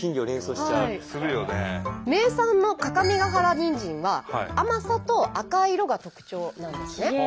名産の各務原にんじんは甘さと赤い色が特徴なんですね。